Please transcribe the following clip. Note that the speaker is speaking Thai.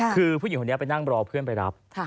คือผู้หญิงคนนี้ไปนั่งรอเพื่อนไปรับ